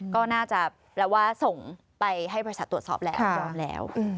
ก็น่าจะแล้วว่าส่งไปให้บริษัทตรวจสอบแล้ว